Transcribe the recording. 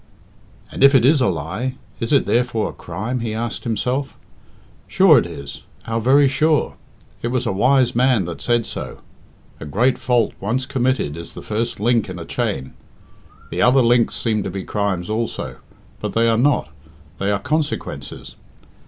"And if it is a lie, is it therefore a crime?" he asked himself. "Sure it is how very sure! it was a wise man that said so a great fault once committed is the first link in a chain. The other links seem to be crimes also, but they are not they are consequences.